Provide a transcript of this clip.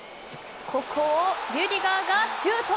ここをリュディガーがシュート。